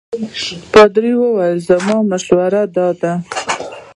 پادري وویل زما مشوره دا ده.